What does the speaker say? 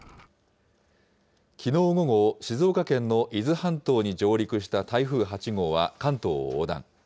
きのう午後、静岡県の伊豆半島に上陸した台風８号は、関東を横断。